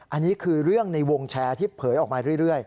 อันนี้คือเรื่องในวงแชร์ที่เผยออกมาเรื่อย